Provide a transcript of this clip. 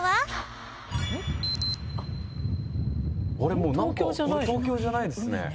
もうなんか東京じゃないですね。